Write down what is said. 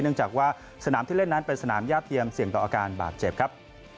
เนื่องจากว่าสนามที่เล่นนั้นเป็นสนามย่าเทียมเสี่ยงต่ออาการบาดเจ็บครับ